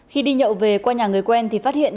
khi đi nhậu về qua nhà người quen